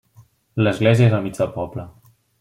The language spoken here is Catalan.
L'església és al mig del poble.